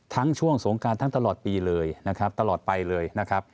ช่วงสงการทั้งตลอดปีเลยนะครับตลอดไปเลยนะครับ